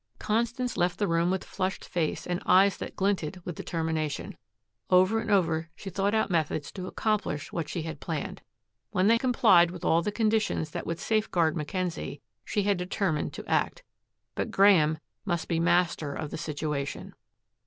Constance left the room with flushed face and eyes that glinted with determination. Over and over she thought out methods to accomplish what she had planned. When they complied with all the conditions that would safeguard Mackenzie, she had determined to act. But Graeme must be master of the situation.